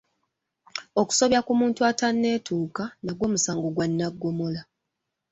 Obusobya ku muntu ataneetuuka nagwo musango gwa nnaggomola.